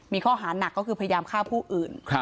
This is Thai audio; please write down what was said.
มีข้อหาหนักก็คือพยายามฆ่าผู้อื่น